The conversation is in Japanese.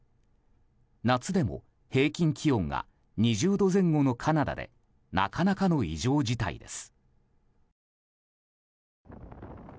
夏でも平均気温が２０度前後のカナダでなかなかの異常事態です。